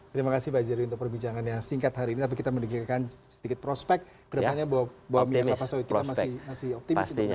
terima kasih pak jari untuk perbincangan yang singkat hari ini tapi kita mendekatkan sedikit prospek kedepannya bahwa milik kelapa sawit kita masih optimis